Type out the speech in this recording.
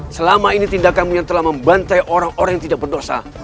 selama ini tindakannya telah membantai orang orang yang tidak berdosa